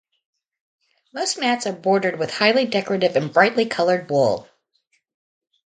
Most mats are bordered with highly decorative and brightly coloured wool.